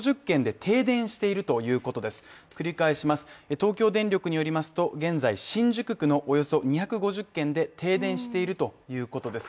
東京電力によりますと現在、新宿区のおよそ２５０軒で停電しているということです。